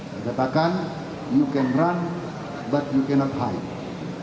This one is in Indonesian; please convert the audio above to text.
saya katakan you can run but you cannot hide